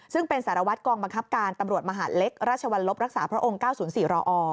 ซึ่งเป็นสารวัตรกองบังคับการตำรวจมหาดเล็กราชวรรลบรักษาพระองค์๙๐๔รอ